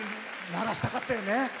鳴らせたかったよね。